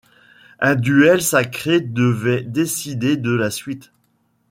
Un duel sacré devait décider de la suite.